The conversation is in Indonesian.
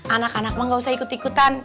anak anak mah gak usah ikut ikutan